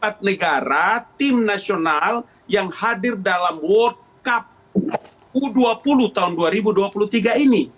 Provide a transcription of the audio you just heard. empat negara tim nasional yang hadir dalam world cup u dua puluh tahun dua ribu dua puluh tiga ini